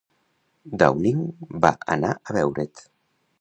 Downing va anar a veure't.